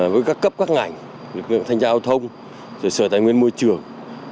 với các cấp các ngành lực lượng thanh trao thông sở sở tài nguyên môi trường